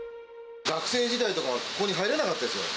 学生時代とか、ここに入れなかったですよ。